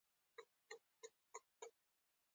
د عشق د ترخې تجربي له کبله